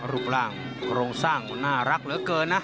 รูปร่างโครงสร้างมันน่ารักเหลือเกินนะ